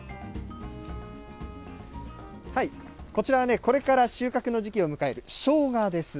こちらはね、これから収穫の時期を迎えるショウガです。